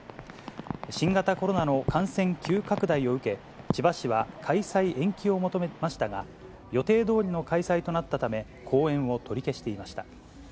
新型コロナの感染急拡大を受け、千葉市は開催延期を求めましたが、予定どおりの開催となったため、後援を取り消していました。